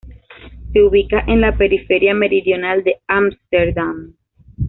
Se ubica en la periferia meridional de Ámsterdam.